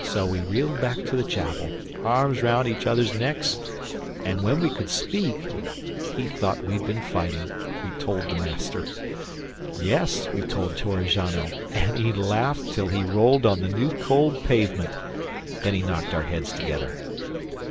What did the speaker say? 'So we reeled back to the chapel, arms round each other's necks, and when we could speak he thought we'd been fighting we told the Master. Yes, we told Torrigiano, and he laughed till he rolled on the new cold pavement. Then he knocked our heads together.